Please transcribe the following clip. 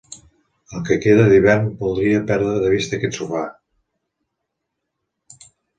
El que queda d'hivern voldria perdre de vista aquest sofà!